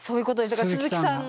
だから鈴木さんの。